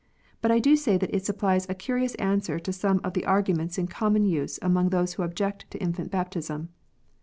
But I do say that it supplies a curious answer to some of the arguments in common use among those who object to infant baptism.